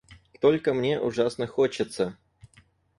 Только мне ужасно хочется.